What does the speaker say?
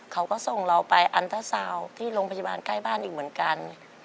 เขาก็ส่งเราไปอันเตอร์ซาวน์ที่โรงพยาบาลใกล้บ้านอีกเหมือนกัน